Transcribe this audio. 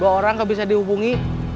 dua orang nggak bisa dihubungi